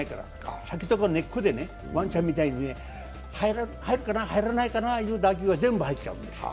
先とかネックで、ワンちゃんみたいに、入るかな、入らないかなというボールが全部入っちゃうんですよ。